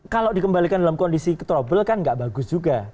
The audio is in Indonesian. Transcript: kalau dikembalikan dalam kondisi trouble kan nggak bagus juga